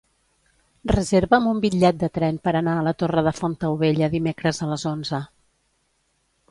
Reserva'm un bitllet de tren per anar a la Torre de Fontaubella dimecres a les onze.